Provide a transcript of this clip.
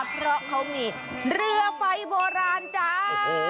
เพราะเขามีเรือไฟโบราณจ้า